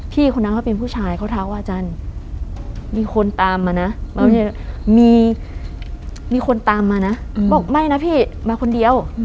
คนนั้นเขาเป็นผู้ชายเขาทักว่าอาจารย์มีคนตามมานะมีคนตามมานะบอกไม่นะพี่มาคนเดียว